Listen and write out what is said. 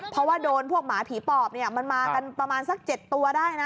เพราะว่าโดนพวกหมาผีปอบเนี่ยมันมากันประมาณสัก๗ตัวได้นะ